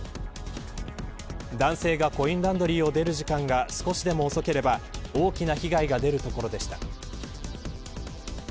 男性がコインランドリーを出る時間が少しでも遅ければ大きな被害が出るところでした。